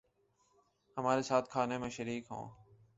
ہمارے ساتھ کھانے میں شریک ہوں